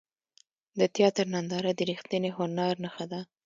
د تیاتر ننداره د ریښتیني هنر نښه ده.